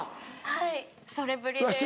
はいそれぶりで。